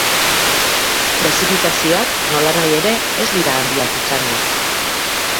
Prezipitazioak, nolanahi ere, ez dira handiak izango.